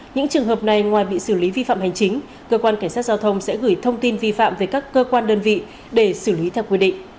những trường hợp này ngoài bị xử lý vi phạm hành chính cơ quan cảnh sát giao thông sẽ gửi thông tin vi phạm về các cơ quan đơn vị để xử lý theo quy định